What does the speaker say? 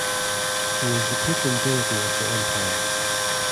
He is the patron deity of The Empire.